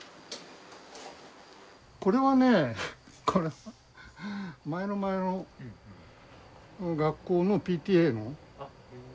これはね前の前の学校のＰＴＡの。